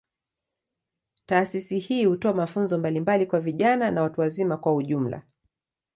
Taasisi hii hutoa mafunzo mbalimbali kwa vijana na watu wazima kwa ujumla.